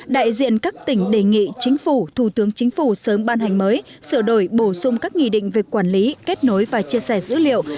đại diện các tỉnh đề nghị chính phủ thủ tướng chính phủ sớm ban hành mới sửa đổi bổ sung các nghị định về quản lý kết nối và chia sẻ dữ liệu